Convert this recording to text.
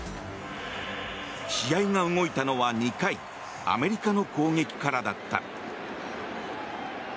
試合が動いたのは２回アメリカの攻撃からだった。